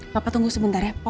papa tunggu sebentar ya